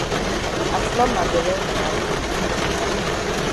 I flop ma bele wit achu.